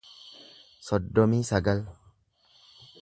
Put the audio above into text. soddomii sagal